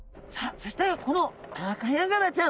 そしてこのアカヤガラちゃん。